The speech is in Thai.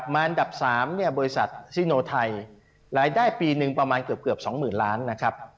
มารดับ๓บริษัทซิโนไทยรายได้ปี๑ประมาณเกือบ๒หมื่นล้านบาท